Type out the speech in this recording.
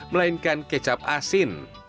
melainkan kecap asin